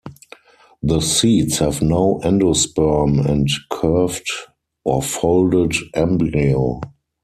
The seeds have no endosperm and a curved or folded embryo.